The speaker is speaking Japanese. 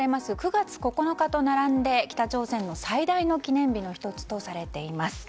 ９月９日と並んで北朝鮮の最大の記念日の１つとされています。